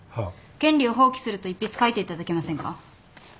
「権利を放棄する」と一筆書いていただけませんか？